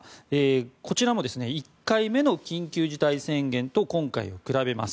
こちらも１回目の緊急事態宣言と今回を比べます。